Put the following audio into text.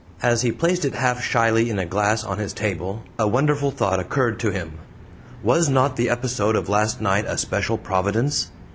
As he placed it half shyly in a glass on his table a wonderful thought occurred to him. Was not the episode of last night a special providence?